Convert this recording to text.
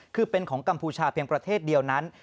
คือเป็นของกัมพูชาเพียงประเทศเดียวนั้น